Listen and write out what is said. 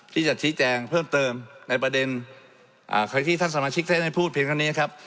ที่จะชี้แจงเพิ่มเติมในประเด็นใครที่ท่านสมาชิกท่านให้พูดเพียงแค่นี้ครับ